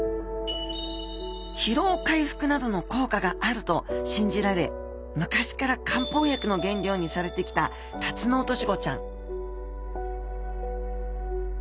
疲労回復などの効果があると信じられ昔から漢方薬の原料にされてきたタツノオトシゴちゃん